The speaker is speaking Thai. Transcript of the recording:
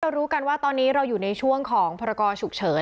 รู้กันว่าตอนนี้เราอยู่ในช่วงของพรกรฉุกเฉิน